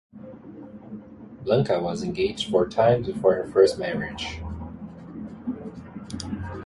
Blanca was engaged four times before her first marriage.